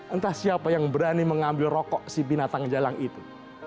entah siapa yang berani mengambil rokok si binatang jalang itu